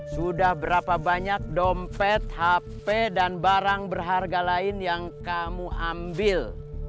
sudah berapa banyak dompet hp dan barang berharga lain yang kamu ambil